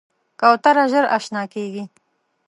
کوتره ژر اشنا کېږي.